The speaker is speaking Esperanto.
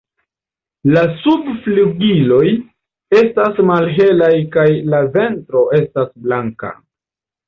La subflugiloj estas malhelaj kaj la ventro estas blanka.